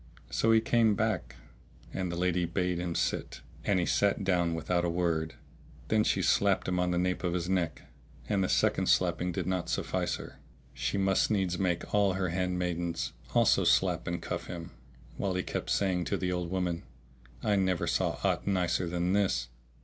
So he came back and the lady bade him sit and he sat down without a word. Then she again slapped him on the nape of his neck; and the second slapping did not suffice her, she must needs make all her handmaidens also slap and cuff him, while he kept saying to the old woman, "I never saw aught nicer than this."